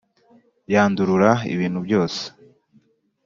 yandurura n'ibintu byose